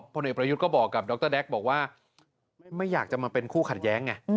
ผลเอกประยุทธ์ก็บอกกับดรแด๊กบอกว่าไม่อยากจะมาเป็นคู่ขัดแย้งไง